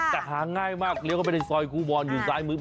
แต่หาง่ายมากเลี้ยเข้าไปในซอยครูบอลอยู่ซ้ายมือ